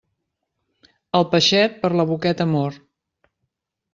El peixet, per la boqueta mor.